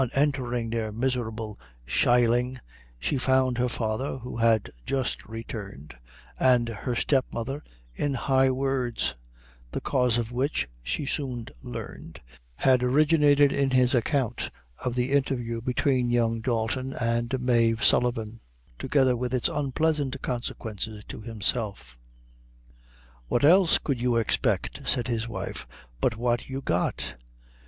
On entering their miserable sheiling, she found her father, who had just returned, and her step mother in high words; the cause of which, she soon learned, had originated in his account of the interview between young Dalton and Mave Sullivan, together with its unpleasant consequences to himself. "What else could you expect," said his wife, "but what you got?